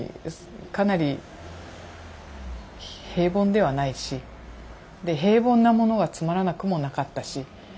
かなり平凡ではないしで平凡なものがつまらなくもなかったし。